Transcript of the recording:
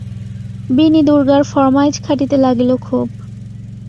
বিনি দুর্গার ফরমাইজ খাটিতে লাগিল খুব।